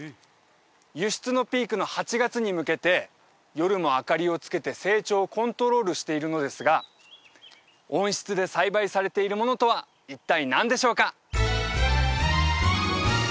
輸出のピークの８月に向けて夜も明かりをつけて成長をコントロールしているのですが温室で栽培されているものとは一体何でしょうか？